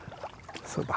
そうだ。